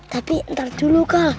tapi ntar dulu kak